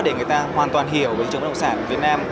để người ta hoàn toàn hiểu về thị trường bất động sản việt nam